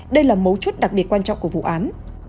đây là mấu chốt đặc biệt quan trọng của vụ án